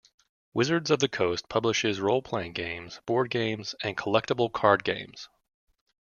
Wizards of the Coast publishes role-playing games, board games, and collectible card games.